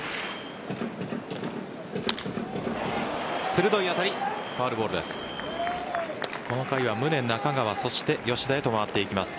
鋭い当たり、ファウルボールです。